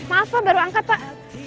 maaf pak baru angkat pak